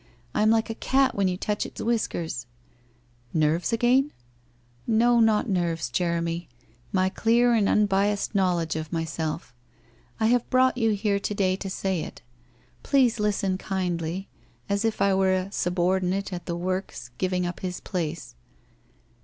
I am like a cat when you touch its whiskers.' ' Nerves again ?'* No, not nerves, Jeremy, my clear and unbiassed knowl edge of myself. I have brought you here to day to say it. Please listen kindly, as if I were a subordinate at the works giving up his place.